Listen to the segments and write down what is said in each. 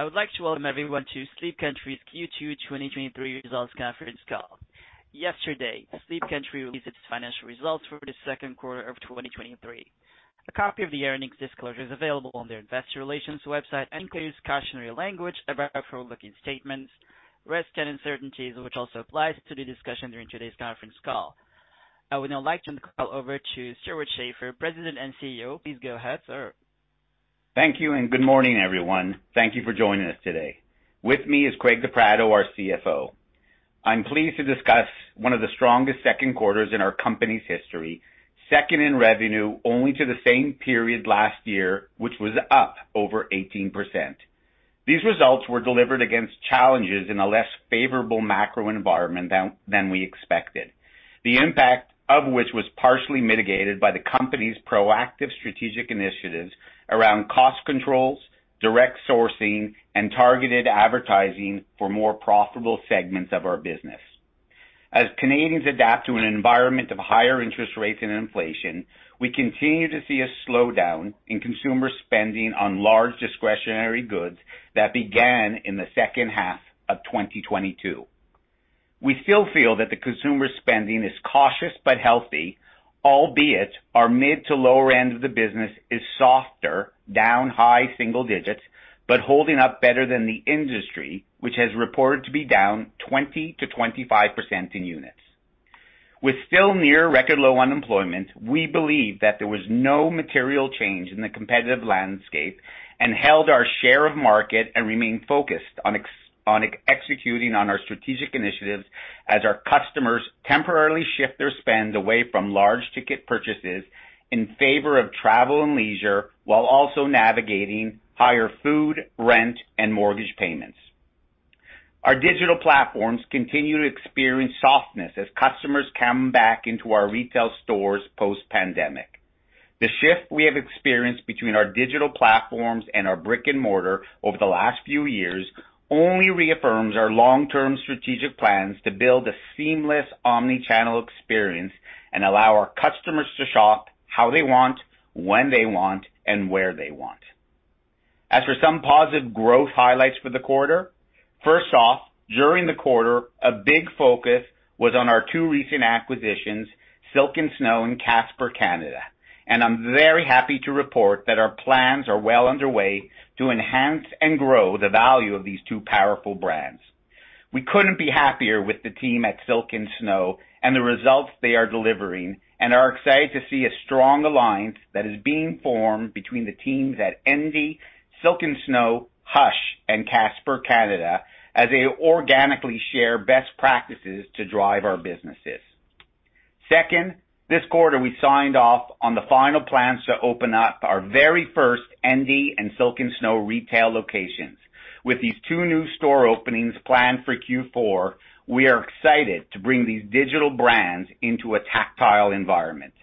I would like to welcome everyone to Sleep Country's Q2 2023 Results Conference Call. Yesterday, Sleep Country released its financial results for the second quarter of 2023. A copy of the earnings disclosure is available on their investor relations website and includes cautionary language about forward-looking statements, risks, and uncertainties, which also applies to the discussion during today's conference call. I would now like to turn the call over to Stewart Schaefer, President and CEO. Please go ahead, sir. Thank you, good morning, everyone. Thank you for joining us today. With me is Craig De Pratto, our CFO. I'm pleased to discuss one of the strongest second quarters in our company's history, second in revenue, only to the same period last year, which was up over 18%. These results were delivered against challenges in a less favorable macro environment than we expected, the impact of which was partially mitigated by the company's proactive strategic initiatives around cost controls, direct sourcing, and targeted advertising for more profitable segments of our business. As Canadians adapt to an environment of higher interest rates and inflation, we continue to see a slowdown in consumer spending on large discretionary goods that began in the second half of 2022. We still feel that the consumer spending is cautious but healthy, albeit our mid-to-lower end of the business is softer, down high-single-digits, but holding up better than the industry, which has reported to be down 20%-25% in units. With still near record low unemployment, we believe that there was no material change in the competitive landscape and held our share of market and remained focused on executing on our strategic initiatives as our customers temporarily shift their spend away from large ticket purchases in favor of travel and leisure, while also navigating higher food, rent, and mortgage payments. Our digital platforms continue to experience softness as customers come back into our retail stores post-pandemic. The shift we have experienced between our digital platforms and our brick-and-mortar over the last few years only reaffirms our long-term strategic plans to build a seamless omni-channel experience and allow our customers to shop how they want, when they want, and where they want. As for some positive growth highlights for the quarter, first off, during the quarter, a big focus was on our two recent acquisitions, Silk & Snow and Casper Canada. I'm very happy to report that our plans are well underway to enhance and grow the value of these two powerful brands. We couldn't be happier with the team at Silk & Snow and the results they are delivering and are excited to see a strong alliance that is being formed between the teams at Endy, Silk & Snow, Hush, and Casper Canada as they organically share best practices to drive our businesses. Second, this quarter, we signed off on the final plans to open up our very first Endy and Silk & Snow retail locations. With these two new store openings planned for Q4, we are excited to bring these digital brands into a tactile environment.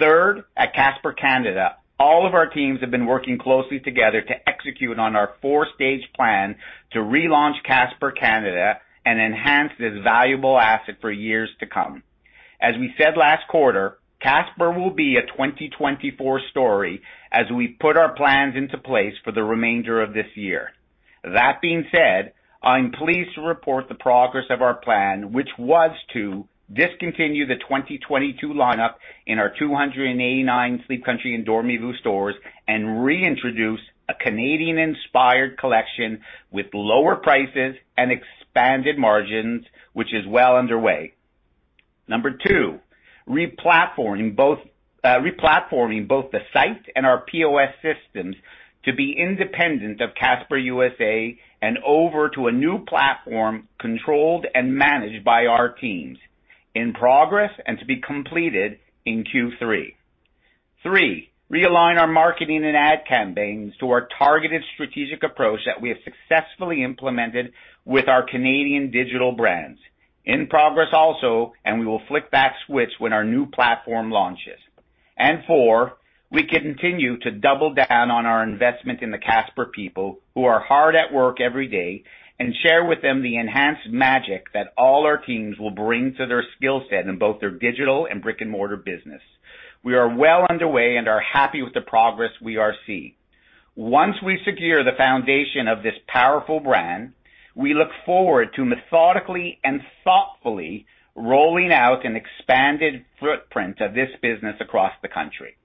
Third, at Casper Canada, all of our teams have been working closely together to execute on our four-stage plan to relaunch Casper Canada and enhance this valuable asset for years to come. As we said last quarter, Casper will be a 2024 story as we put our plans into place for the remainder of this year. That being said, I'm pleased to report the progress of our plan, which was to discontinue the 2022 lineup in our 289 Sleep Country and Dormez-vous stores and reintroduce a Canadian-inspired collection with lower prices and expanded margins, which is well underway. Number two, replatforming both the site and our POS systems to be independent of Casper USA and over to a new platform controlled and managed by our teams, in progress and to be completed in Q3. Number three, realign our marketing and ad campaigns to our targeted strategic approach that we have successfully implemented with our Canadian digital brands. In progress also, we will flick that switch when our new platform launches. Number four, We continue to double down on our investment in the Casper people, who are hard at work every day, and share with them the enhanced magic that all our teams will bring to their skill set in both their digital and brick-and-mortar business. We are well underway and are happy with the progress we are seeing. Once we secure the foundation of this powerful brand, we look forward to methodically and thoughtfully rolling out an expanded footprint of this business across the country.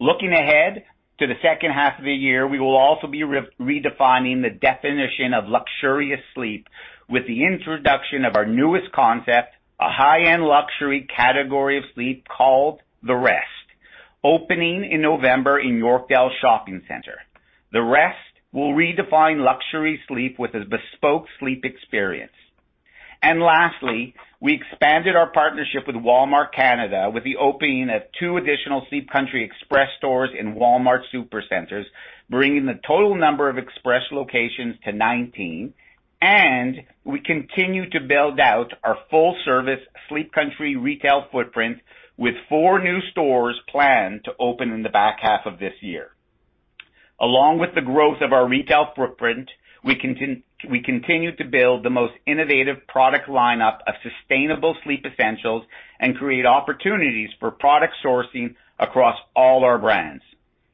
Looking ahead to the second half of the year, we will also be redefining the definition of luxurious sleep with the introduction of our newest concept, a high-end luxury category of sleep called The Rest, opening in November in Yorkdale Shopping Centre. The Rest will redefine luxury sleep with a bespoke sleep experience. Lastly, we expanded our partnership with Walmart Canada, with the opening of two additional Sleep Country Express stores in Walmart Supercentres, bringing the total number of express locations to 19, and we continue to build out our full-service Sleep Country retail footprint with four new stores planned to open in the back half of this year. Along with the growth of our retail footprint, we continue to build the most innovative product lineup of sustainable sleep essentials and create opportunities for product sourcing across all our brands.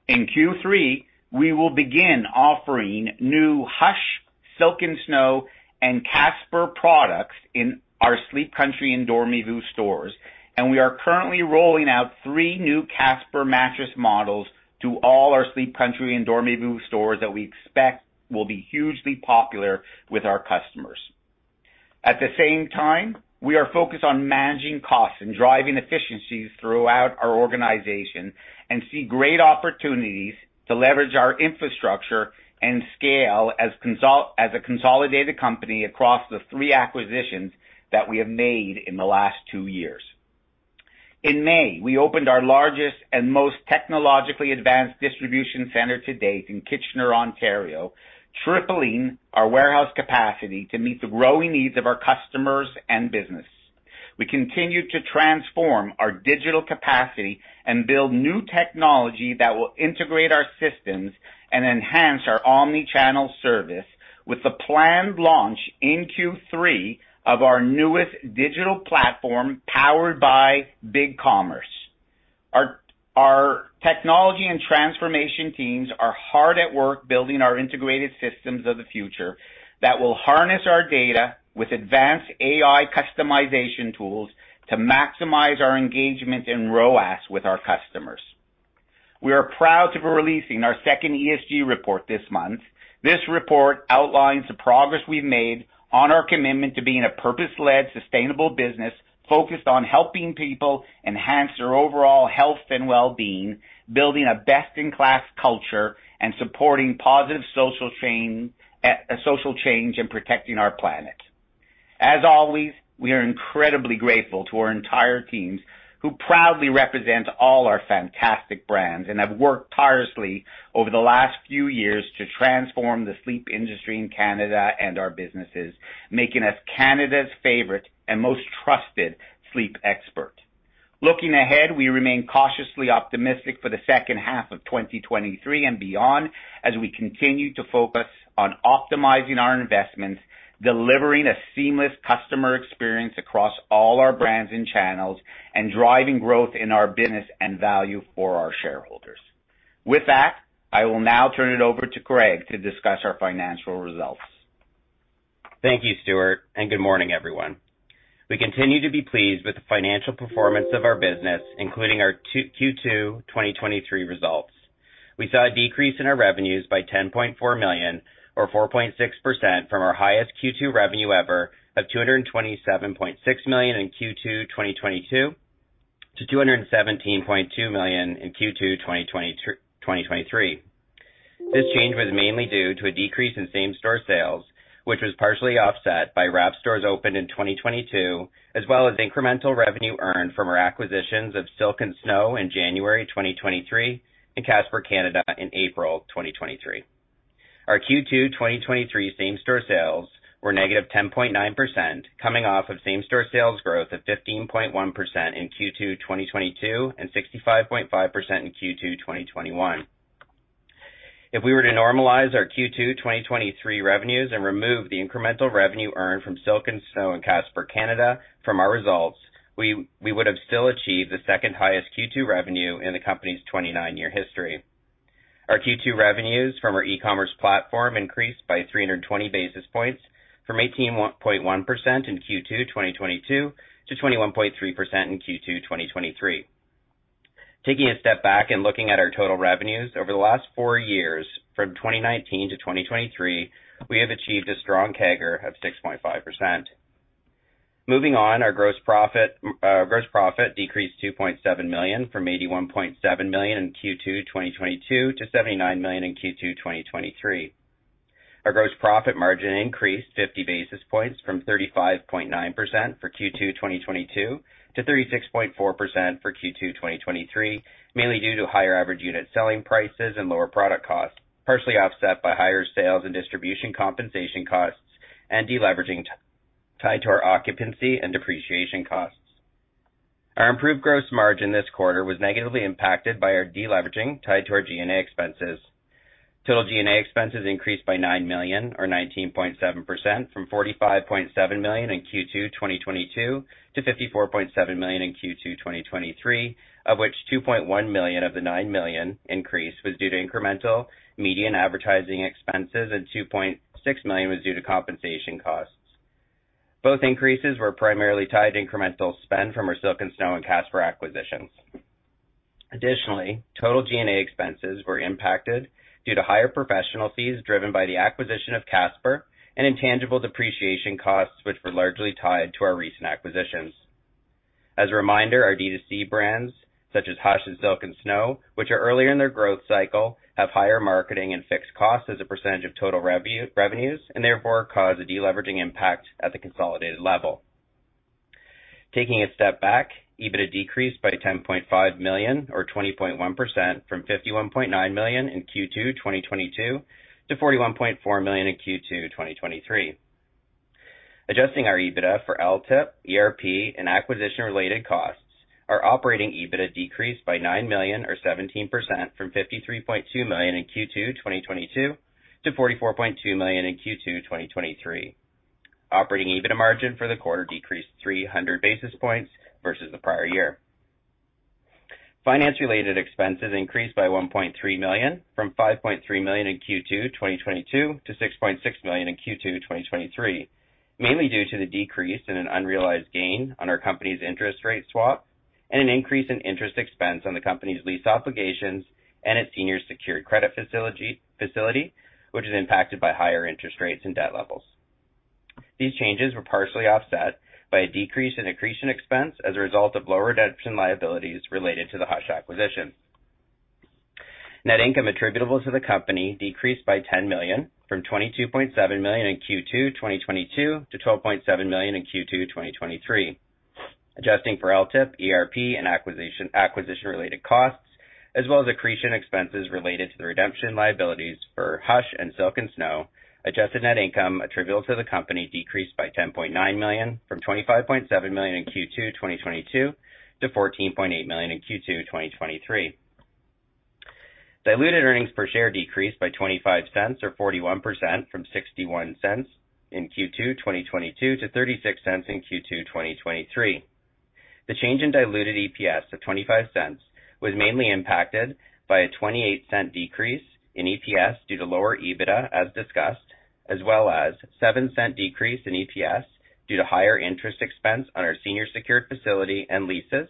In Q3, we will begin offering new Hush, Silk & Snow, and Casper products in our Sleep Country and Dormez-vous? stores, and we are currently rolling out three new Casper mattress models to all our Sleep Country and Dormez-vous stores that we expect will be hugely popular with our customers. At the same time, we are focused on managing costs and driving efficiencies throughout our organization and see great opportunities to leverage our infrastructure and scale as a consolidated company across the three acquisitions that we have made in the last two years. In May, we opened our largest and most technologically advanced distribution center to date in Kitchener, Ontario, tripling our warehouse capacity to meet the growing needs of our customers and business. We continue to transform our digital capacity and build new technology that will integrate our systems and enhance our omni-channel service with the planned launch in Q3 of our newest digital platform, powered by BigCommerce. Our technology and transformation teams are hard at work building our integrated systems of the future that will harness our data with advanced AI customization tools to maximize our engagement in ROAS with our customers. We are proud to be releasing our second ESG report this month. This report outlines the progress we've made on our commitment to being a purpose-led, sustainable business, focused on helping people enhance their overall health and well-being, building a best-in-class culture, and supporting positive social change and protecting our planet. As always, we are incredibly grateful to our entire teams, who proudly represent all our fantastic brands and have worked tirelessly over the last few years to transform the sleep industry in Canada and our businesses, making us Canada's favorite and most trusted sleep expert. Looking ahead, we remain cautiously optimistic for the second half of 2023 and beyond, as we continue to focus on optimizing our investments, delivering a seamless customer experience across all our brands and channels, and driving growth in our business and value for our shareholders. With that, I will now turn it over to Craig to discuss our financial results. Thank you, Stewart, good morning, everyone. We continue to be pleased with the financial performance of our business, including our Q2 2023 results. We saw a decrease in our revenues by 10.4 million, or 4.6% from our highest Q2 revenue ever of 227.6 million in Q2 2022, to 217.2 million in Q2 2023. This change was mainly due to a decrease in same-store sales, which was partially offset by wrap stores opened in 2022, as well as incremental revenue earned from our acquisitions of Silk & Snow in January 2023 and Casper Canada in April 2023. Our Q2 2023 same-store sales were -10.9%, co-ming off of same-store sales growth of 15.1% in Q2 2022 and 65.5% in Q2 2021. If we were to normalize our Q2 2023 revenues and remove the incremental revenue earned from Silk & Snow and Casper Canada from our results, we would have still achieved the second highest Q2 revenue in the company's 29-year history. Our Q2 revenues from our e-commerce platform increased by 320 basis points, from 18.1% in Q2 2022 to 21.3% in Q2 2023. Taking a step back and looking at our total revenues over the last four years, from 2019 to 2023, we have achieved a strong CAGR of 6.5%. Moving on, our gross profit, gross profit decreased 2.7 million from 81.7 million in Q2 2022 to 79 million in Q2 2023. Our gross profit margin increased 50 basis points from 35.9% for Q2 2022 to 36.4% for Q2 2023, mainly due to higher average unit selling prices and lower product costs, partially offset by higher sales and distribution compensation costs and deleveraging tied to our occupancy and depreciation costs. Our improved gross margin this quarter was negatively impacted by our deleveraging, tied to our G&A expenses. Total G&A expenses increased by 9 million, or 19.7%, from 45.7 million in Q2 2022 to 54.7 million in Q2 2023, of which 2.1 million of the 9 million increase was due to incremental media and advertising expenses, and 2.6 million was due to compensation costs. Both increases were primarily tied to incremental spend from our Silk & Snow and Casper acquisitions. Additionally, total G&A expenses were impacted due to higher professional fees driven by the acquisition of Casper and intangible depreciation costs, which were largely tied to our recent acquisitions. As a reminder, our D2C brands, such as Hush and Silk & Snow, which are earlier in their growth cycle, have higher marketing and fixed costs as a percentage of total revenues, and therefore cause a deleveraging impact at the consolidated level. Taking a step back, EBITDA decreased by 10.5 million, or 20.1%, from 51.9 million in Q2 2022 to 41.4 million in Q2 2023. Adjusting our EBITDA for LTIP, ERP, and acquisition-related costs, our operating EBITDA decreased by 9 million, or 17%, from 53.2 million in Q2 2022 to 44.2 million in Q2 2023. Operating EBITDA margin for the quarter decreased 300 basis points versus the prior year. Finance-related expenses increased by 1.3 million, from 5.3 million in Q2 2022, to 6.6 million in Q2 2023, mainly due to the decrease in an unrealized gain on our company's interest rate swap and an increase in interest expense on the company's lease obligations and its senior secured credit facility, which is impacted by higher interest rates and debt levels. These changes were partially offset by a decrease in accretion expense as a result of lower redemption liabilities related to the Hush acquisition. Net income attributable to the company decreased by 10 million, from 22.7 million in Q2 2022, to 12.7 million in Q2 2023. Adjusting for LTIP, ERP, and acquisition, acquisition-related costs, as well as accretion expenses related to the redemption liabilities for Hush and Silk & Snow, adjusted net income attributable to the company decreased by 10.9 million from 25.7 million in Q2, 2022, to 14.8 million in Q2, 2023. Diluted earnings per share decreased by 0.25, or 41%, from 0.61 in Q2, 2022, to 0.36 in Q2, 2023. The change in diluted EPS of 0.25 was mainly impacted by a 0.28 decrease in EPS due to lower EBITDA, as discussed, as well as 0.07 decrease in EPS due to higher interest expense on our senior secured facility and leases,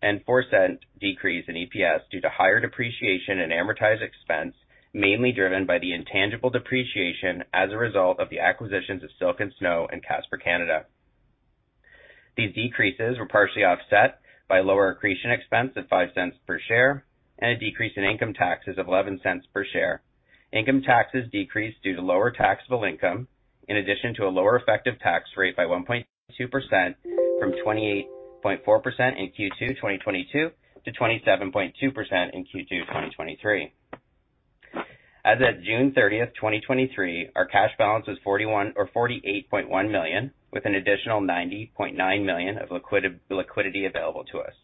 and 0.04 decrease in EPS due to higher depreciation and amortized expense, mainly driven by the intangible depreciation as a result of the acquisitions of Silk & Snow and Casper Canada. These decreases were partially offset by lower accretion expense of 0.05 per share and a decrease in income taxes of 0.11 per share. Income taxes decreased due to lower taxable income, in addition to a lower effective tax rate by 1.2% from 28.4% in Q2 2022 to 27.2% in Q2 2023. As of June 30th, 2023, our cash balance was 41 million or 48.1 million, with an additional 90.9 million of liquidity available to us.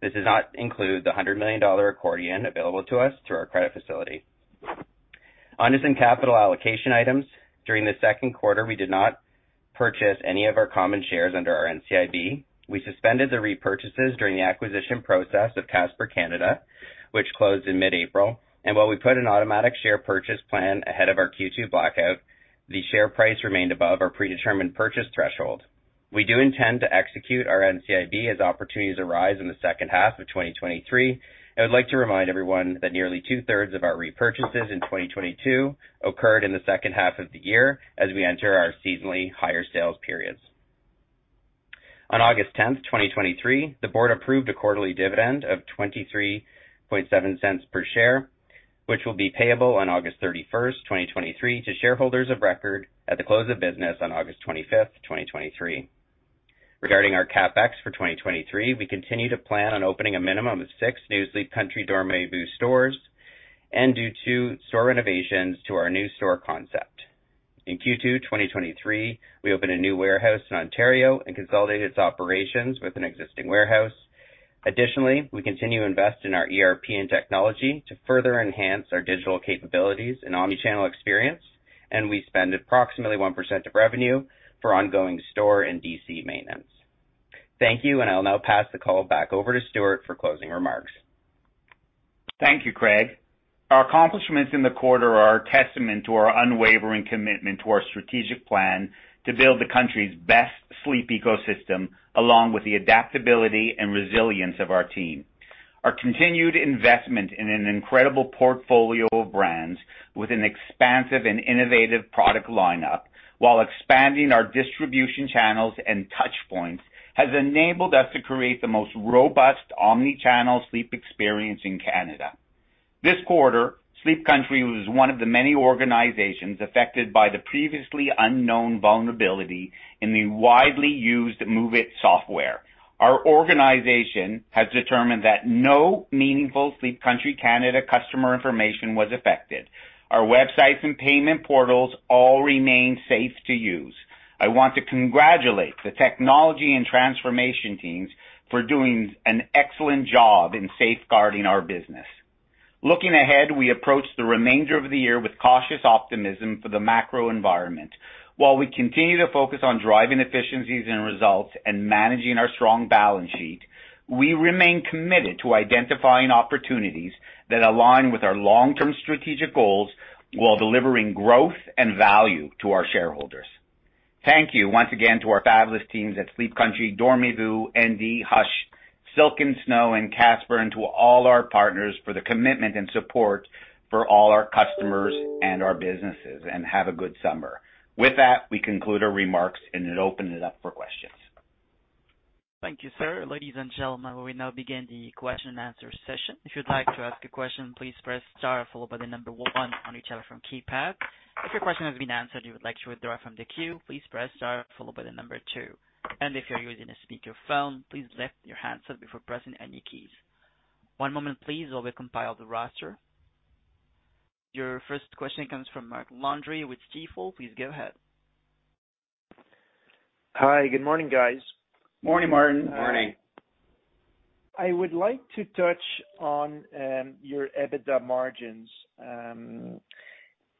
This does not include the 100 million dollar accordion available to us through our credit facility. On to some capital allocation items. During the second quarter, we did not purchase any of our common shares under our NCIB. We suspended the repurchases during the acquisition process of Casper Canada, which closed in mid-April, and while we put an automatic share purchase plan ahead of our Q2 blackout, the share price remained above our predetermined purchase threshold. We do intend to execute our NCIB as opportunities arise in the second half of 2023, and I would like to remind everyone that nearly 2/3 of our repurchases in 2022 occurred in the second half of the year as we enter our seasonally higher sales periods. On August 10th, 2023, the board approved a quarterly dividend of 0.237 per share, which will be payable on August 31st, 2023, to shareholders of record at the close of business on August 25th, 2023. Regarding our CapEx for 2023, we continue to plan on opening a minimum of six new Sleep Country Dormez-vous stores and do two store renovations to our new store concept. In Q2 2023, we opened a new warehouse in Ontario and consolidated its operations with an existing warehouse. Additionally, we continue to invest in our ERP and technology to further enhance our digital capabilities and omni-channel experience. We spend approximately 1% of revenue for ongoing store and DC maintenance. Thank you. I'll now pass the call back over to Stewart for closing remarks. Thank you, Craig. Our accomplishments in the quarter are a testament to our unwavering commitment to our strategic plan to build the country's best sleep ecosystem, along with the adaptability and resilience of our team. Our continued investment in an incredible portfolio of brands with an expansive and innovative product lineup, while expanding our distribution channels and touch points, has enabled us to create the most robust omni-channel sleep experience in Canada. This quarter, Sleep Country was one of the many organizations affected by the previously unknown vulnerability in the widely used MOVEit software. Our organization has determined that no meaningful Sleep Country Canada customer information was affected. Our websites and payment portals all remain safe to use. I want to congratulate the technology and transformation teams for doing an excellent job in safeguarding our business. Looking ahead, we approach the remainder of the year with cautious optimism for the macro environment. While we continue to focus on driving efficiencies and results and managing our strong balance sheet, we remain committed to identifying opportunities that align with our long-term strategic goals while delivering growth and value to our shareholders. Thank you once again to our fabulous teams at Sleep Country, Dormez-vous, Endy, Hush, Silk & Snow, and Casper, and to all our partners for the commitment and support for all our customers and our businesses, and have a good summer. With that, we conclude our remarks and open it up for questions. Thank you, sir. Ladies and gentlemen, we now begin the question and answer session. If you'd like to ask a question, please press star followed by number one on your telephone keypad. If your question has been answered and you would like to withdraw from the queue, please press star followed by number two. If you're using a speakerphone, please lift your handset before pressing any keys. One moment please while we compile the roster. Your first question comes from Martin Landry with Stifel GMP. Please go ahead. Hi, good morning, guys. Morning, Martin. Morning. I would like to touch on your EBITDA margins.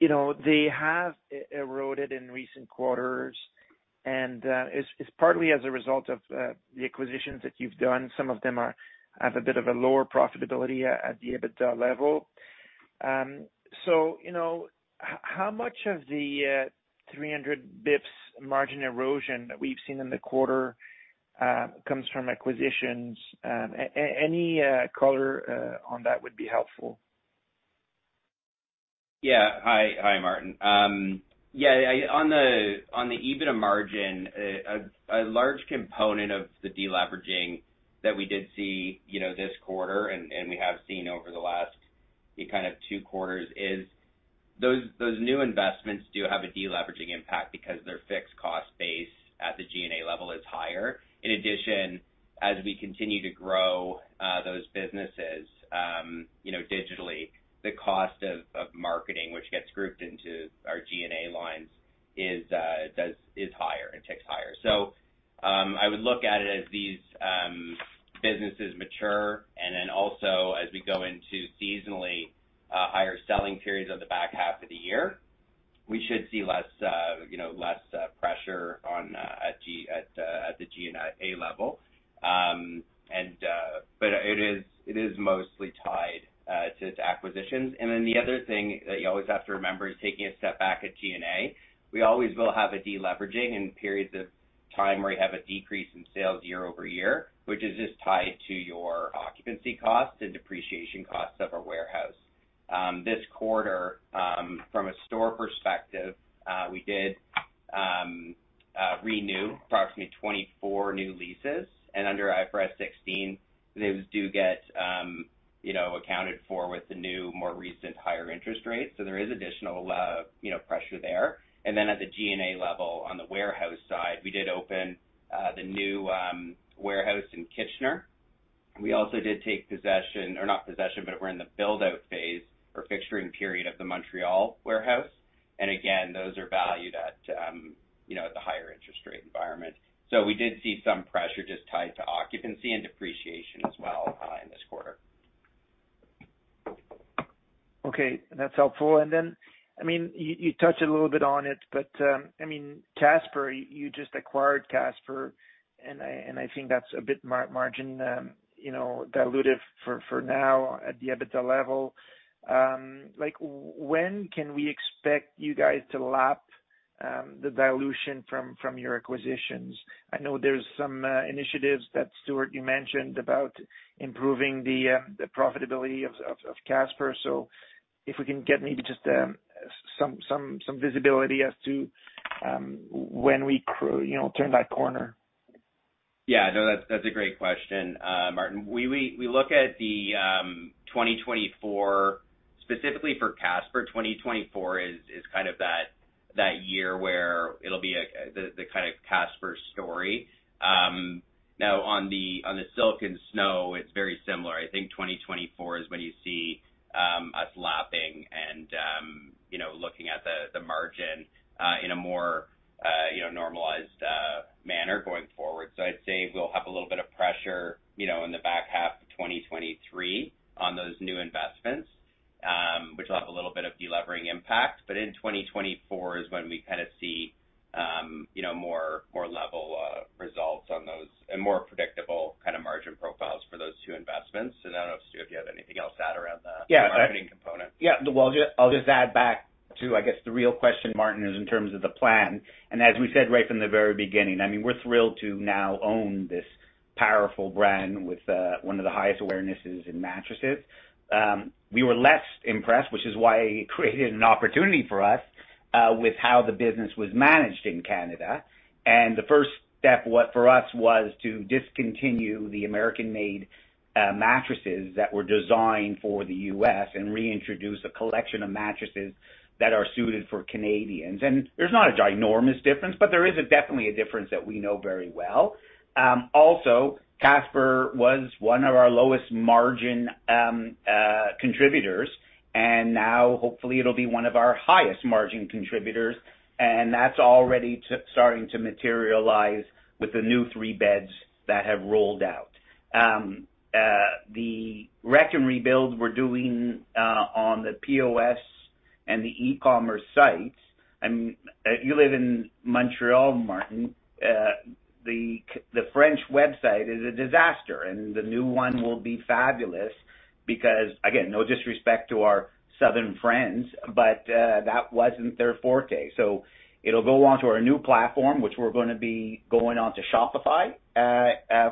You know, they have eroded in recent quarters, and it's partly as a result of the acquisitions that you've done. Some of them have a bit of a lower profitability at the EBITDA level. You know, how much of the 300 basis points margin erosion that we've seen in the quarter comes from acquisitions? Any color on that would be helpful. Yeah. Hi, Martin. Yeah, on the EBITDA margin, a, a large component of the deleveraging that we did see, you know, this quarter and we have seen over the last kind of two quarters, is those, those new investments do have a deleveraging impact because their fixed cost base at the G&A level is higher. In addition, as we continue to grow, those businesses, you know, digitally, the cost of, of marketing, which gets grouped into our G&A lines, is higher and ticks higher. I would look at it as these businesses mature, and then also as we go into seasonally, higher selling periods of the back half of the year, we should see less, you know, less, pressure on, at the G&A level. It is mostly tied to acquisitions. Then the other thing that you always have to remember is taking a step back at G&A, we always will have a deleveraging in periods of time where you have a decrease in sales year-over-year, which is just tied to your occupancy costs and depreciation costs of our warehouse. This quarter, from a store perspective, we did renew approximately 24 new leases, and under IFRS 16, those do get, you know, accounted for with the new, more recent, higher interest rates. There is additional, you know, pressure there. Then at the G&A level, on the warehouse side, we did open the new warehouse in Kitchener. We also did take possession, or not possession, but we're in the build-out phase or fixturing period of the Montreal warehouse. Again, those are valued at, you know, at the higher interest rate environment. We did see some pressure just tied to occupancy and depreciation as well, in this quarter. Okay, that's helpful. You, you touched a little bit on it, but, Casper, you just acquired Casper, and I, and I think that's a bit margin, you know, dilutive for, for now at the EBITDA level. Like, when can we expect you guys to lap the dilution from, from your acquisitions? I know there's some initiatives that, Stewart, you mentioned about improving the profitability of, of Casper. If we can get maybe just some, some, some visibility as to when we, you know, turn that corner. Yeah, no, that's, that's a great question, Martin. We look at the 2024. Specifically for Casper, 2024 is, is kind of that, that year where it'll be the kind of Casper story. Now on the, on the Silk & Snow, it's very similar. I think 2024 is when you see us lapping and, you know, looking at the, the margin in a more, you know, normalized manner going forward. I'd say we'll have a little bit of pressure, you know, in the back half of 2023 on those new investments, which will have a little bit of delevering impact. In 2024 is when we kind of see, you know, more, more level results on those and more predictable kind of margin profiles for those two investments. I don't know, Stewart, if you have anything else to add around the- Yeah.... marketing component. Yeah. Well, I'll just add back to, I guess, the real question, Martin, is in terms of the plan. As we said right from the very beginning, I mean, we're thrilled to now own this powerful brand with one of the highest awarenesses in mattresses. We were less impressed, which is why it created an opportunity for us, with how the business was managed in Canada. The first step for us, was to discontinue the American-made mattresses that were designed for the U.S. and reintroduce a collection of mattresses that are suited for Canadians. There's not a ginormous difference, but there is definitely a difference that we know very well. Also, Casper was one of our lowest margin contributors. Now hopefully it'll be one of our highest margin contributors, and that's already starting to materialize with the new three beds that have rolled out. The wreck and rebuild we're doing on the POS and the e-commerce sites. You live in Montreal, Martin, the French website is a disaster. The new one will be fabulous because, again, no disrespect to our southern friends, that wasn't their forte. It'll go on to our new platform, which we're gonna be going on to Shopify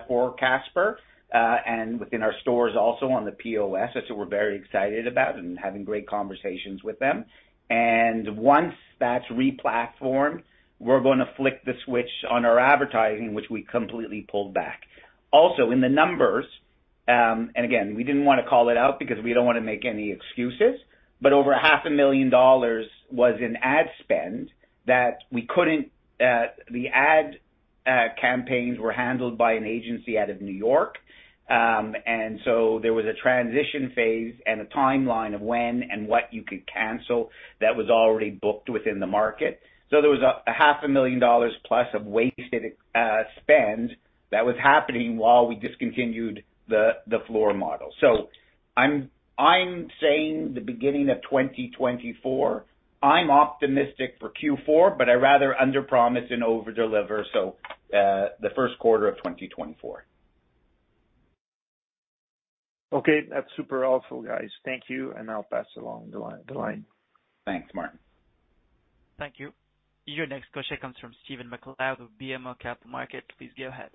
for Casper and within our stores also on the POS. That's what we're very excited about and having great conversations with them. Once that's replatformed, we're gonna flick the switch on our advertising, which we completely pulled back. Also, in the numbers, again, we didn't want to call it out because we don't wanna make any excuses, over 500,000 dollars was in ad spend that we couldn't. The ad campaigns were handled by an agency out of New York. There was a transition phase and a timeline of when and what you could cancel that was already booked within the market. There was a 500,000 dollars plus of wasted spend that was happening while we discontinued the floor model. I'm saying the beginning of 2024. I'm optimistic for Q4, I'd rather underpromise and overdeliver, the first quarter of 2024. Okay, that's super helpful, guys. Thank you. I'll pass along the line. Thanks, Martin. Thank you. Your next question comes from Stephen MacLeod of BMO Capital Markets. Please go ahead.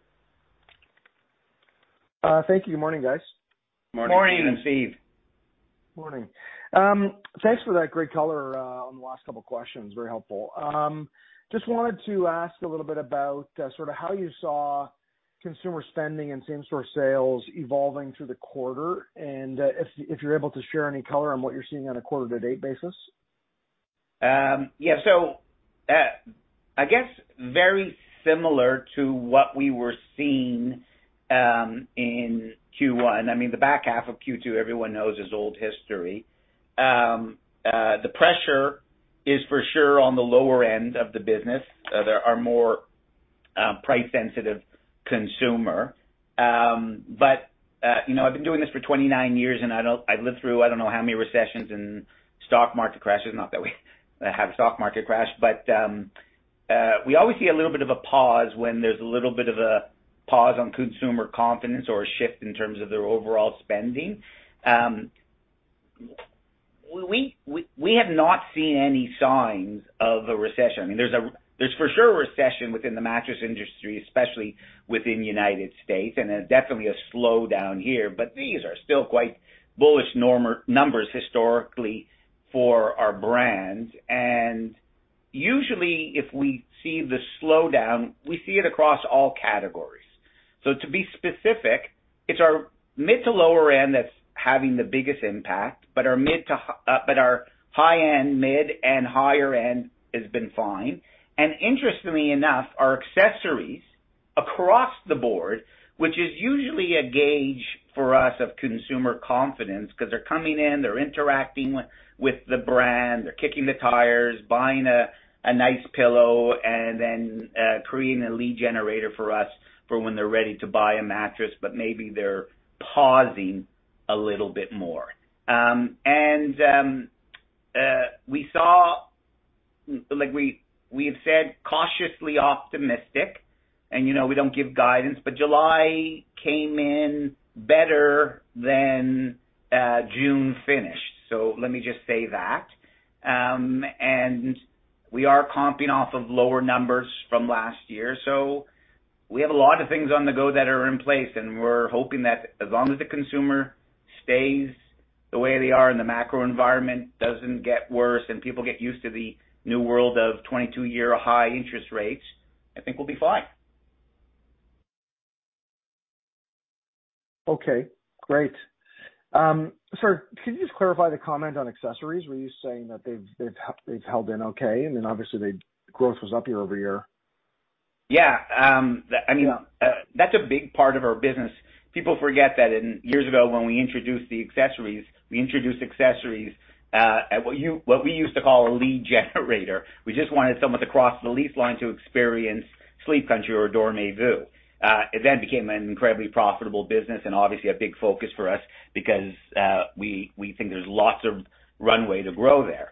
Thank you. Morning, guys. Morning. Morning, Steve. Morning. Thanks for that great color on the last couple questions. Very helpful. Just wanted to ask a little bit about sort of how you saw consumer spending and same store sales evolving through the quarter, and if you're able to share any color on what you're seeing on a quarter-to-date basis? Yeah. I guess very similar to what we were seeing in Q1. I mean, the back half of Q2, everyone knows, is old history. The pressure is for sure on the lower end of the business. There are more price-sensitive consumer. You know, I've been doing this for 29 years, I've lived through, I don't know how many recessions and stock market crashes, not that we have a stock market crash. We always see a little bit of a pause when there's a little bit of a pause on consumer confidence or a shift in terms of their overall spending. We have not seen any signs of a recession. I mean, there's for sure a recession within the mattress industry, especially within the United States, and there's definitely a slowdown here, but these are still quite bullish normal numbers historically for our brands. Usually, if we see the slowdown, we see it across all categories. To be specific, it's our mid to lower end that's having the biggest impact, but our mid-to-high-end, mid and higher-end has been fine. Interestingly enough, our accessories across the board, which is usually a gauge for us of consumer confidence, 'cause they're coming in, they're interacting with, with the brand, they're kicking the tires, buying a nice pillow, and then creating a lead generator for us for when they're ready to buy a mattress, but maybe they're pausing a little bit more. Like wehave said, cautiously optimistic, and, you know, we don't give guidance, but July came in better than June finished. Let me just say that. We are comping off of lower numbers from last year, so we have a lot of things on the go that are in place, and we're hoping that as long as the consumer stays the way they are, and the macro environment doesn't get worse, and people get used to the new world of 22-year high interest rates, I think we'll be fine. Okay, great. Sorry, could you just clarify the comment on accessories? Were you saying that they've held in okay, and then obviously, the growth was up year-over-year? Yeah. I mean- Yeah. That's a big part of our business. People forget that in years ago, when we introduced the accessories, we introduced accessories, at what we used to call a lead generator. We just wanted someone to cross the lease line to experience Sleep Country or Dormez-vous. It then became an incredibly profitable business and obviously a big focus for us because, we, we think there's lots of runway to grow there.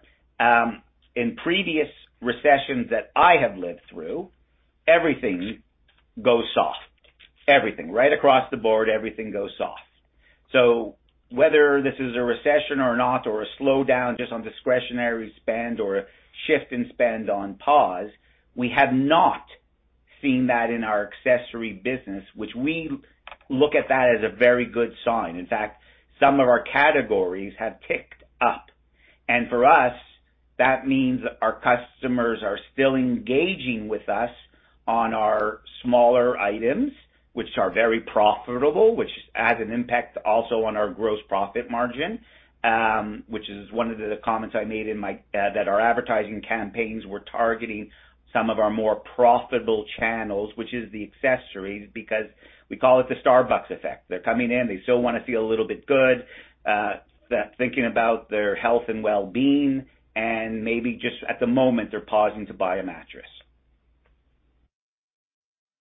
In previous recessions that I have lived through, everything goes soft. Everything. Right across the board, everything goes soft. Whether this is a recession or not or a slowdown just on discretionary spend or a shift in spend on pause, we have not seen that in our accessory business, which we look at that as a very good sign. In fact, some of our categories have ticked up. For us, that means our customers are still engaging with us on our smaller items, which are very profitable, which has an impact also on our gross profit margin, which is one of the comments I made in my, that our advertising campaigns were targeting some of our more profitable channels, which is the accessories, because we call it the Starbucks effect. They're coming in, they still wanna feel a little bit good, they're thinking about their health and well-being, and maybe just at the moment, they're pausing to buy a mattress.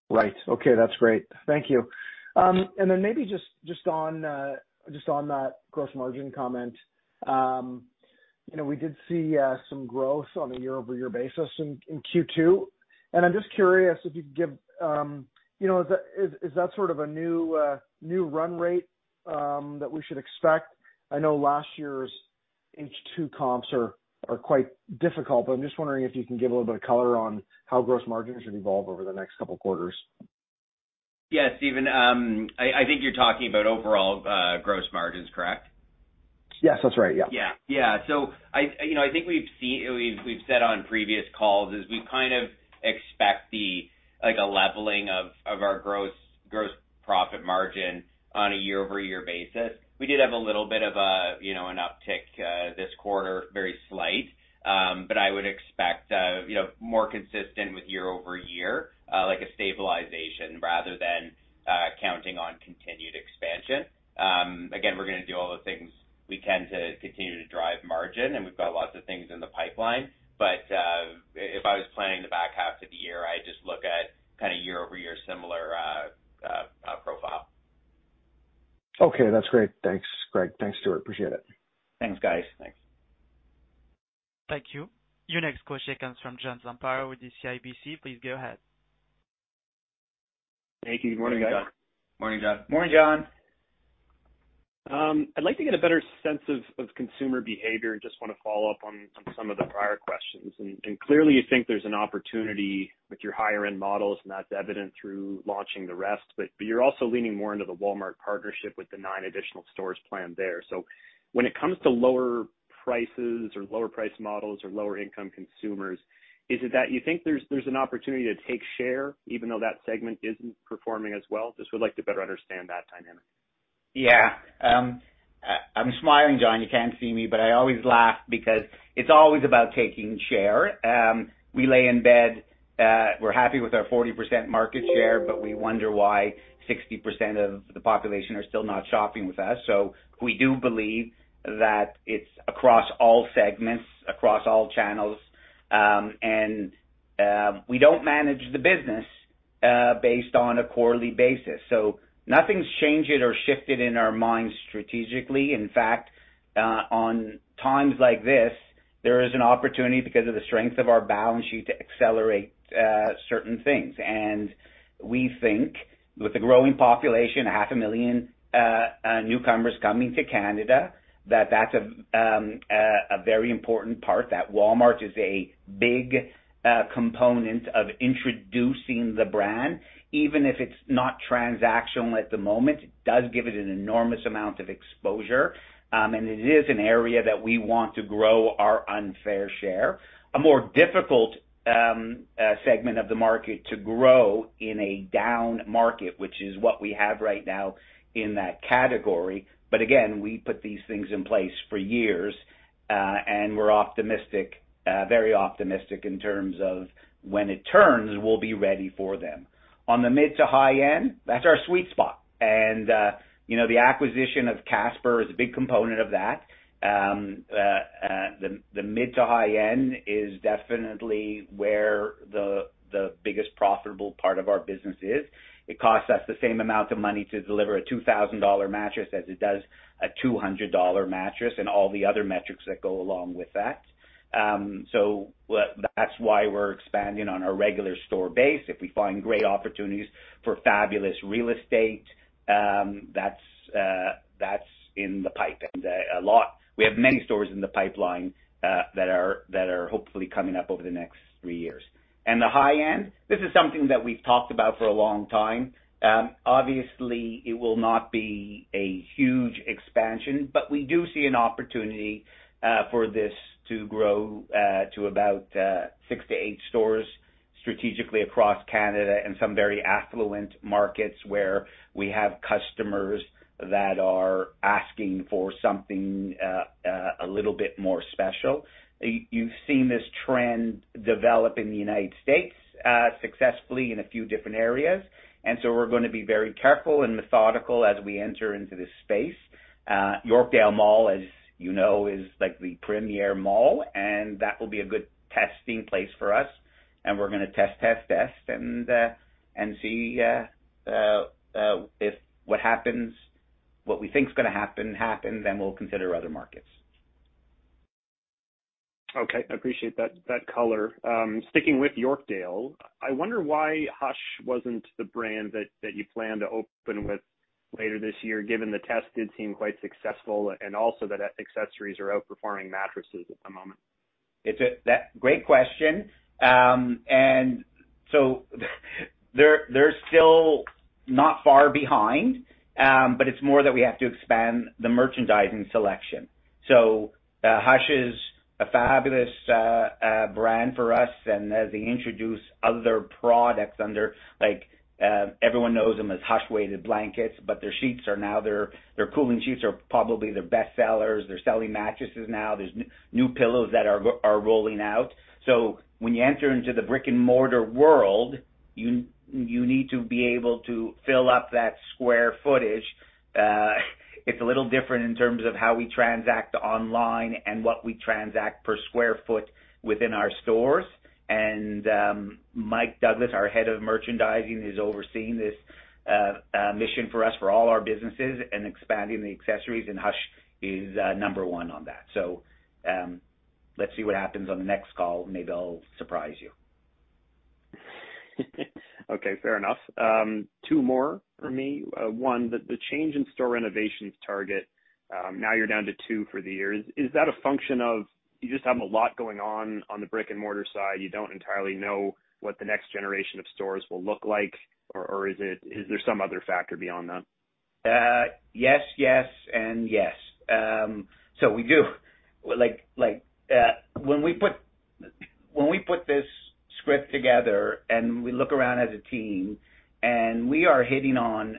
Right. Okay, that's great. Thank you. Then maybe just, just on, just on that gross margin comment, you know, we did see some growth on a year-over-year basis in, in Q2. I'm just curious if you could give. You know, is that sort of a new, new run rate that we should expect? I know last year's H2 comps are, are quite difficult, but I'm just wondering if you can give a little bit of color on how gross margins should evolve over the next couple quarters. Yeah, Stephen, I think you're talking about overall, gross margins, correct? Yes, that's right. Yeah. Yeah. Yeah. I, you know, I think we've said on previous calls is we kind of expect the, like, a leveling of, of our gross, gross profit margin on a year-over-year basis. We did have a little bit of a, you know, an uptick, this quarter, very slight. I would expect, you know, more consistent with year-over-year, like a stabilization rather than, counting on continued expansion. Again, we're gonna do all the things-we tend to continue to drive margin, and we've got lots of things in the pipeline. If I was planning the back half of the year, I'd just look at kind of year-over-year, similar profile. Okay, that's great. Thanks, Craig. Thanks, Stewart. Appreciate it. Thanks, guys. Thanks. Thank you. Your next question comes from John Zamparo with CIBC. Please go ahead. Thank you. Good morning, guys. Morning, John. Morning, John. I'd like to get a better sense of consumer behavior. Just want to follow up on some of the prior questions. Clearly, you think there's an opportunity with your higher end models, and that's evident through launching The Rest. You're also leaning more into the Walmart partnership with the nine additional stores planned there. When it comes to lower prices or lower price models or lower income consumers, is it that you think there's an opportunity to take share even though that segment isn't performing as well? Just would like to better understand that dynamic. Yeah. I'm smiling, John. You can't see me, but I always laugh because it's always about taking share. We lay in bed, we're happy with our 40% market share, but we wonder why 60% of the population are still not shopping with us. We do believe that it's across all segments, across all channels, and we don't manage the business based on a quarterly basis. Nothing's changed or shifted in our minds strategically. In fact, on times like this, there is an opportunity, because of the strength of our balance sheet, to accelerate certain things. We think with the growing population, 500,000 newcomers coming to Canada, that that's a very important part, that Walmart is a big component of introducing the brand, even if it's not transactional at the moment, it does give it an enormous amount of exposure. It is an area that we want to grow our unfair share. A more difficult segment of the market to grow in a down market, which is what we have right now in that category. Again, we put these things in place for years, and we're optimistic, very optimistic in terms of when it turns, we'll be ready for them. On the mid to high end, that's our sweet spot. You know, the acquisition of Casper is a big component of that. The mid to high end is definitely where the biggest profitable part of our business is. It costs us the same amount of money to deliver a 2,000 dollar mattress as it does a 200 dollar mattress, and all the other metrics that go along with that. So that's why we're expanding on our regular store base. If we find great opportunities for fabulous real estate, that's, that's in the pipe. We have many stores in the pipeline that are hopefully coming up over the next three years. The high end, this is something that we've talked about for a long time. Obviously, it will not be a huge expansion, but we do see an opportunity for this to grow to about six to eight stores strategically across Canada and some very affluent markets where we have customers that are asking for something a little bit more special. You've seen this trend develop in the United States successfully in a few different areas, and so we're going to be very careful and methodical as we enter into this space. Yorkdale Mall, as you know, is like the premier mall, and that will be a good testing place for us. We're gonna test, test, test and see if what happens, what we think is gonna happen, happen, then we'll consider other markets. Okay, I appreciate that, that color. Sticking with Yorkdale, I wonder why Hush wasn't the brand that, that you plan to open with later this year, given the test did seem quite successful and also that accessories are outperforming mattresses at the moment? It's that. Great question. They're, they're still not far behind, but it's more that we have to expand the merchandising selection. Hush is a fabulous brand for us. As they introduce other products under like, everyone knows them as Hush weighted blankets, but their sheets are now their, their cooling sheets are probably their best sellers. They're selling mattresses now. There's new pillows that are rolling out. When you enter into the brick-and-mortar world, you, you need to be able to fill up that square footage. It's a little different in terms of how we transact online and what we transact per square foot within our stores. Mike Douglas, our head of merchandising, is overseeing this mission for us for all our businesses and expanding the accessories, and Hush is number one on that. Let's see what happens on the next call. Maybe I'll surprise you. Okay, fair enough. Two more from me. One, the change in store renovations target, now you're down to two for the year. Is that a function of you just have a lot going on on the brick-and-mortar side, you don't entirely know what the next generation of stores will look like? Or, is there some other factor beyond that? Yes, yes and yes. We do. Like, like, when we put this script together and we look around as a team and we are hitting on...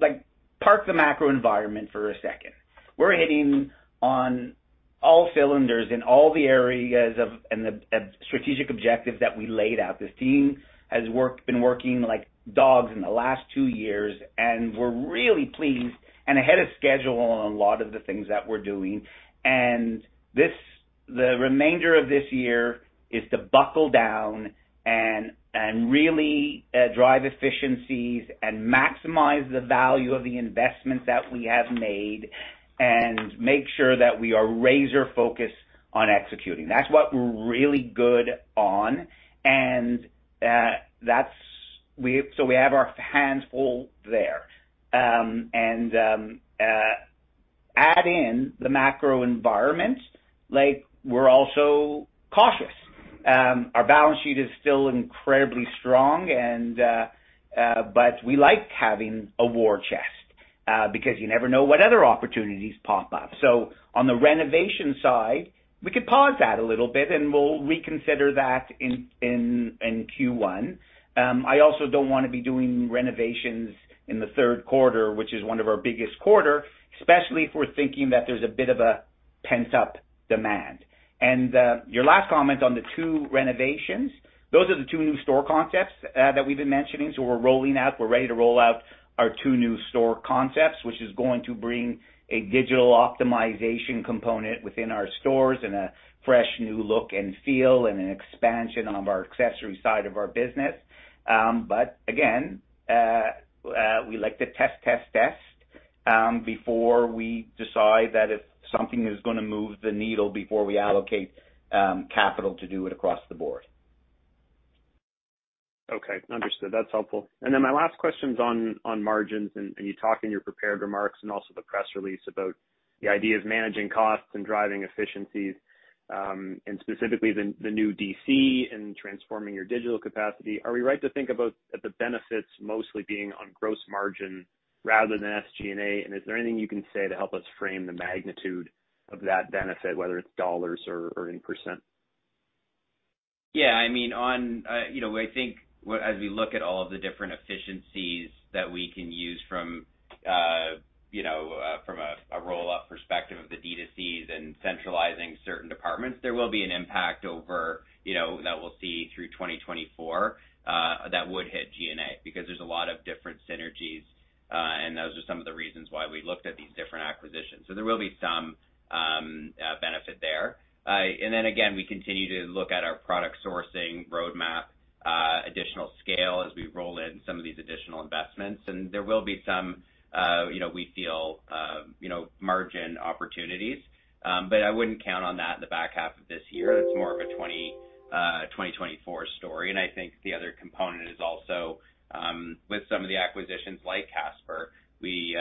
Like, park the macro environment for a second. We're hitting on all cylinders in all the areas of and the strategic objectives that we laid out. This team has been working like dogs in the last two years, and we're really pleased and ahead of schedule on a lot of the things that we're doing. This, the remainder of this year is to buckle down and really drive efficiencies and maximize the value of the investments that we have made, and make sure that we are razor-focused on executing. That's what we're really good on, and we have our hands full there. Add in the macro environment, we're also cautious. Our balance sheet is still incredibly strong. We like having a war chest because you never know what other opportunities pop up. On the renovation side, we could pause that a little bit, and we'll reconsider that in Q1. I also don't wanna be doing renovations in the third quarter, which is one of our biggest quarter, especially if we're thinking that there's a bit of a pent-up demand. Your last comment on the two renovations, those are the two new store concepts that we've been mentioning. We're ready to roll out our two new store concepts, which is going to bring a digital optimization component within our stores and a fresh new look and feel, and an expansion of our accessory side of our business. Again, we like to test, test, test, before we decide that if something is going to move the needle before we allocate capital to do it across the board. Okay, understood. That's helpful. My last question's on, on margins, and, and you talked in your prepared remarks and also the press release about the idea of managing costs and driving efficiencies, and specifically the, the new DC and transforming your digital capacity. Are we right to think about the benefits mostly being on gross margin rather than SG&A? Is there anything you can say to help us frame the magnitude of that benefit, whether it's dollars or, or in percent? Yeah, I mean, on, you know, I think as we look at all of the different efficiencies that we can use from, you know, from a roll-up perspective of the D2Cs and centralizing certain departments, there will be an impact over, you know, that we'll see through 2024, that would hit G&A. There's a lot of different synergies, and those are some of the reasons why we looked at these different acquisitions. There will be some benefit there. Then again, we continue to look at our product sourcing roadmap, additional scale as we roll in some of these additional investments. There will be some, you know, we feel, you know, margin opportunities. I wouldn't count on that in the back half of this year. It's more of a 2024 story. I think the other component is also, with some of the acquisitions like Casper, we,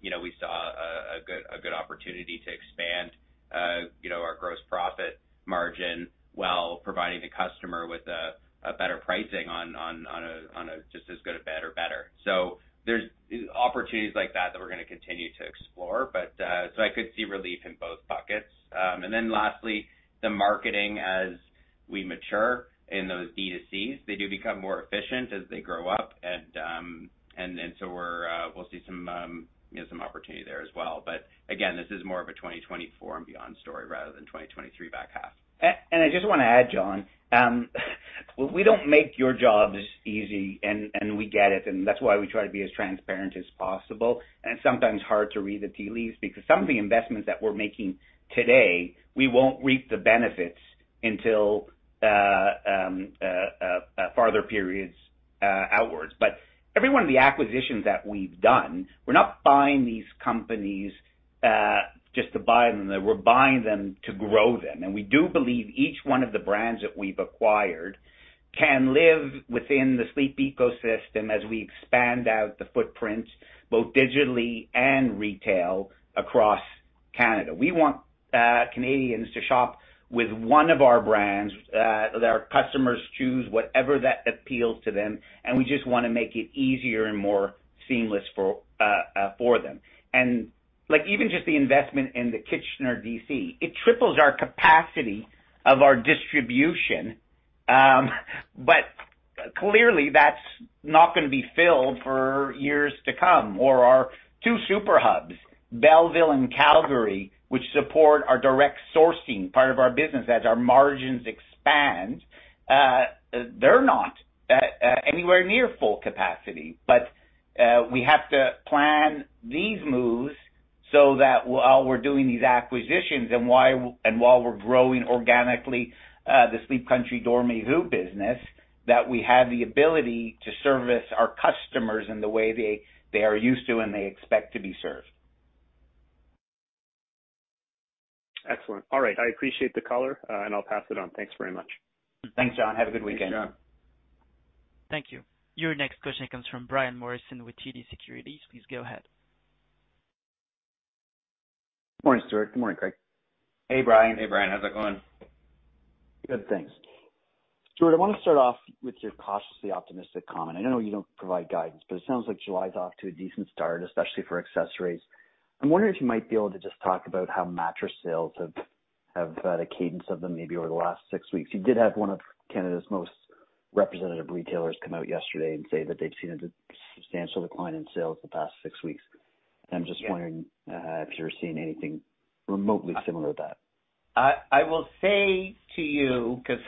you know, we saw a good, a good opportunity to expand, you know, our gross profit margin while providing the customer with a better pricing on a just as good or better, better. There's opportunities like that, that we're gonna continue to explore. I could see relief in both buckets. Lastly, the marketing as we mature in those D2Cs, they do become more efficient as they grow up. And, and so we're, we'll see some, you know, some opportunity there as well. Again, this is more of a 2024 and beyond story, rather than 2023 back half. I just wanna add, John, we don't make your jobs easy, and we get it, and that's why we try to be as transparent as possible. It's sometimes hard to read the tea leaves, because some of the investments that we're making today, we won't reap the benefits until farther periods outwards. Every one of the acquisitions that we've done, we're not buying these companies just to buy them. We're buying them to grow them. We do believe each one of the brands that we've acquired can live within the Sleep ecosystem as we expand out the footprint, both digitally and retail across Canada. We want Canadians to shop with one of our brands, that our customers choose whatever that appeals to them, and we just wanna make it easier and more seamless for them. Like, even just the investment in the Kitchener DC, it triples our capacity of our distribution. Clearly, that's not gonna be filled for years to come. Our two super hubs, Belleville and Calgary, which support our direct sourcing part of our business as our margins expand, they're not anywhere near full capacity. We have to plan these moves so that while we're doing these acquisitions and while we're growing organically, the Sleep Country Dormez-vous? business, that we have the ability to service our customers in the way they, they are used to and they expect to be served. Excellent. All right, I appreciate the caller, and I'll pass it on. Thanks very much. Thanks, John. Have a good weekend. Thanks, John. Thank you. Your next question comes from Brian Morrison with TD Securities. Please go ahead. Morning, Stewart. Good morning, Craig. Hey, Brian. Hey, Brian. How's it going? Good, thanks. Stewart, I want to start off with your cautiously optimistic comment. I know you don't provide guidance, but it sounds like July's off to a decent start, especially for accessories. I'm wondering if you might be able to just talk about how mattress sales have the cadence of them maybe over the last six weeks. You did have one of Canada's most representative retailers come out yesterday and say that they've seen a substantial decline in sales the past six weeks. I'm just wondering if you're seeing anything remotely similar to that? I will say to you, 'cause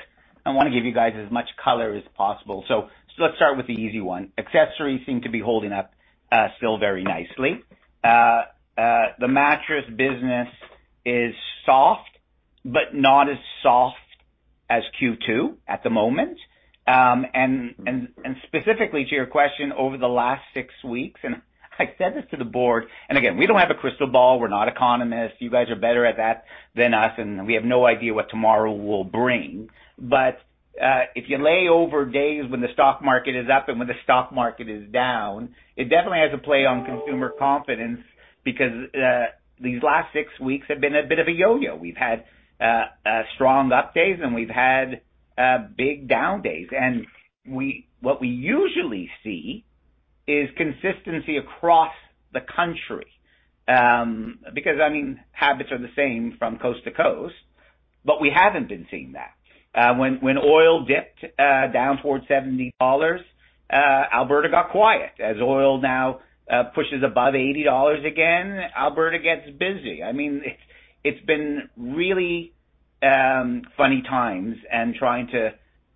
I wanna give you guys as much color as possible. Let's start with the easy one. Accessories seem to be holding up still very nicely. The mattress business is soft, but not as soft as Q2 at the moment. Specifically to your question, over the last six weeks, and I said this to the board, and again, we don't have a crystal ball, we're not economists. You guys are better at that than us, and we have no idea what tomorrow will bring. If you lay over days when the stock market is up and when the stock market is down, it definitely has a play on consumer confidence because these last six weeks have been a bit of a yo-yo. We've had strong up days, and we've had big down days. What we usually see is consistency across the country, because, I mean, habits are the same from coast to coast, but we haven't been seeing that. When, when oil dipped down towards $70, Alberta got quiet. As oil now pushes above $80 again, Alberta gets busy. I mean, it's, it's been really funny times and trying to,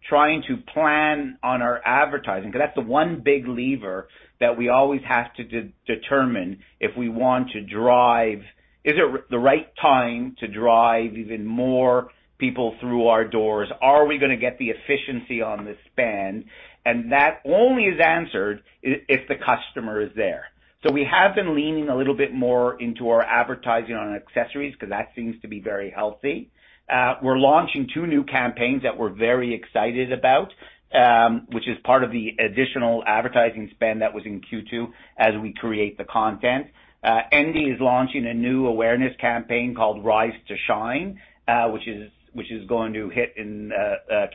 trying to plan on our advertising, 'cause that's the one big lever that we always have to determine if we want to drive. Is it the right time to drive even more people through our doors? Are we gonna get the efficiency on this spend? That only is answered if the customer is there. We have been leaning a little bit more into our advertising on accessories, 'cause that seems to be very healthy. We're launching two new campaigns that we're very excited about, which is part of the additional advertising spend that was in Q2 as we create the content. Endy is launching a new awareness campaign called Rise to Shine, which is, which is going to hit in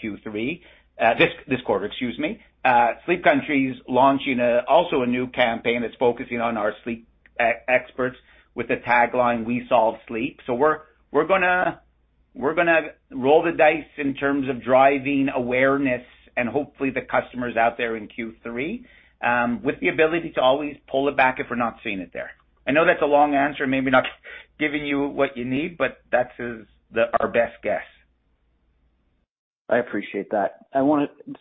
Q3, this, this quarter, excuse me. Sleep Country is launching also a new campaign that's focusing on our sleep experts with the tagline, "We solve sleep." We're, we're gonna, we're gonna roll the dice in terms of driving awareness and hopefully the customers out there in Q3, with the ability to always pull it back if we're not seeing it there. I know that's a long answer, maybe not giving you what you need, but that is the, our best guess. I appreciate that.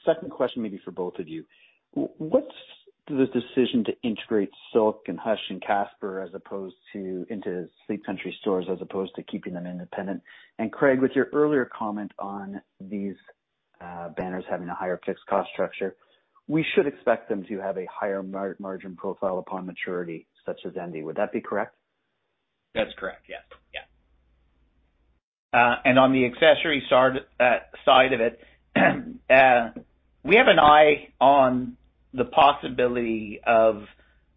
Second question, maybe for both of you. What's the decision to integrate Silk and Hush and Casper as opposed to, into Sleep Country stores, as opposed to keeping them independent? Craig, with your earlier comment on these banners having a higher fixed cost structure, we should expect them to have a higher margin profile upon maturity, such as Endy. Would that be correct? That's correct. Yes. Yeah. On the accessory side of it, we have an eye on the possibility of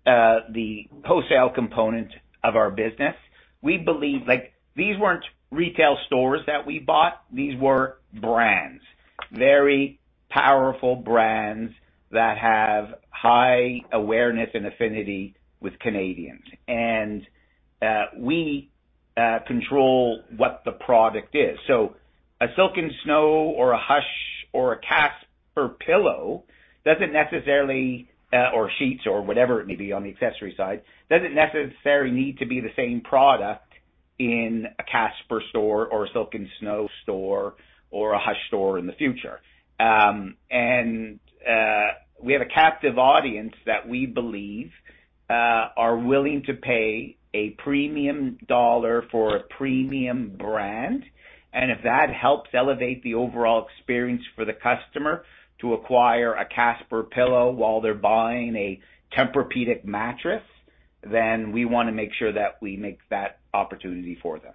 the post-sale component of our business. We believe, like, these weren't retail stores that we bought. These were brands, very powerful brands that have high awareness and affinity with Canadians. We control what the product is. So a Silk & Snow or a Hush or a Casper pillow doesn't necessarily, or sheets or whatever it may be on the accessory side, doesn't necessarily need to be the same product in a Casper store or a Silk & Snow store or a Hush store in the future. We have a captive audience that we believe, are willing to pay a premium dollar for a premium brand. If that helps elevate the overall experience for the customer to acquire a Casper pillow while they're buying a Tempur-Pedic mattress, we wanna make sure that we make that opportunity for them.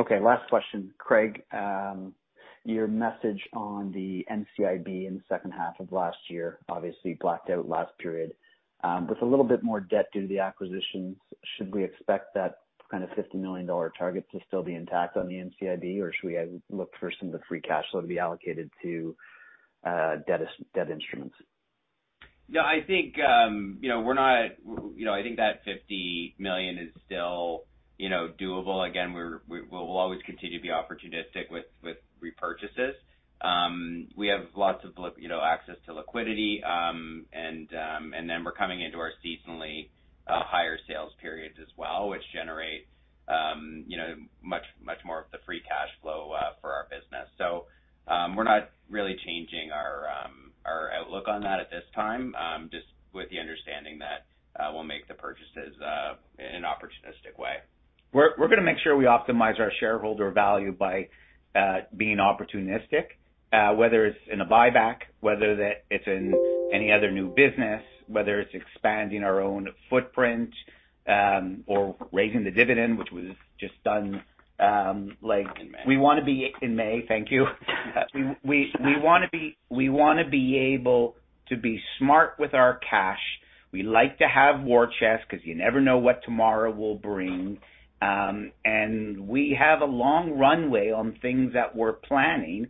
Okay, last question. Craig, your message on the NCIB in the second half of last year obviously blacked out last period. With a little bit more debt due to the acquisitions, should we expect that kind of 50 million dollar target to still be intact on the NCIB? Should we have look for some of the free cash flow to be allocated to debt instruments? No, I think, you know, we're not, you know, I think that 50 million is still, you know, doable. Again, we're, we'll always continue to be opportunistic with, with repurchases. We have lots of you know, access to liquidity, and then we're coming into our seasonally higher sales periods as well, which generate, you know, much, much more of the free cash flow for our business. We're not really changing our outlook on that at this time, just with the understanding that we'll make the purchases in an opportunistic way. We're, we're gonna make sure we optimize our shareholder value by, being opportunistic, whether it's in a buyback, whether it's in any other new business, whether it's expanding our own footprint, or raising the dividend, which was just done, like. In May. In May, thank you. We wanna be able to be smart with our cash. We like to have war chest, 'cause you never know what tomorrow will bring. We have a long runway on things that we're planning,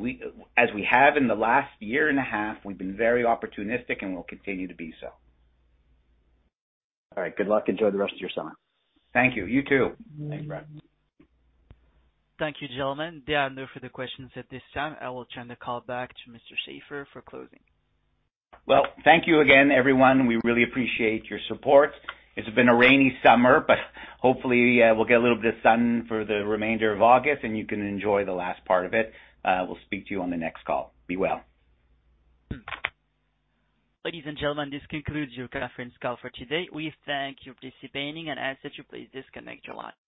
and as we have in the last year and a half, we've been very opportunistic and we'll continue to be so. All right. Good luck. Enjoy the rest of your summer. Thank you. You too. Thanks, Brian. Thank you, gentlemen. There are no further questions at this time. I will turn the call back to Mr. Schaefer for closing. Well, thank you again, everyone. We really appreciate your support. It's been a rainy summer, but hopefully, we'll get a little bit of sun for the remainder of August, and you can enjoy the last part of it. We'll speak to you on the next call. Be well. Ladies and gentlemen, this concludes your conference call for today. We thank you participating and ask that you please disconnect your line.